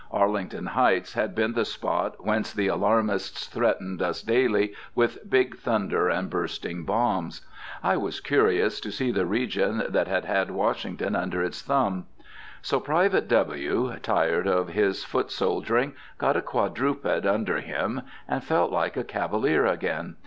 Arlington Heights had been the spot whence the alarmists threatened us daily with big thunder and bursting bombs. I was curious to see the region that had had Washington under its thumb. So Private W., tired of his foot soldiering, got a quadruped under him, and felt like a cavalier again.